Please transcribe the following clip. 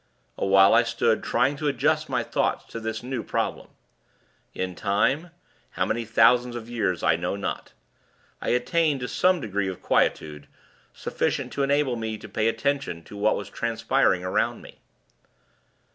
Awhile, I stood, trying to adjust my thoughts to this new problem. In time how many thousands of years, I know not I attained to some degree of quietude sufficient to enable me to pay attention to what was transpiring around me.